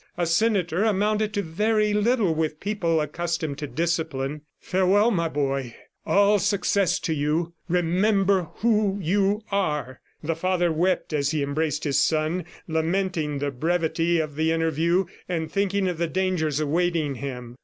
A senator amounted to very little with people accustomed to discipline. "Farewell, my boy! ... All success to you! ... Remember who you are!" The father wept as he embraced his son, lamenting the brevity of the interview, and thinking of the dangers awaiting him.